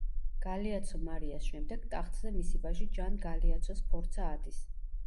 გალეაცო მარიას შემდეგ, ტახტზე მისი ვაჟი ჯან გალეაცო სფორცა ადის.